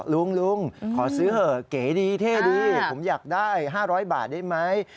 ลุงลุงขอซื้อเหอะเก๋ดีเท่ดีผมอยากได้๕๐๐บาทได้ไหม